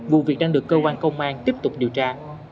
vụ việc đang được cơ quan công an tiếp tục điều tra